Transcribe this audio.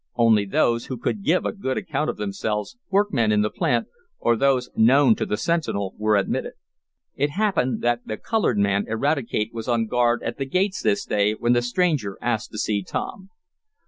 Only those who could give a good account of themselves, workmen in the plant, or those known to the sentinel were admitted. It happened that the colored man, Eradicate, was on guard at the gates this day when the stranger asked to see Tom.